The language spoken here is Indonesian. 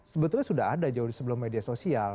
sebetulnya sudah ada jauh sebelum media sosial